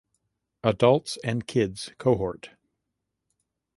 Adults and Kids cohort.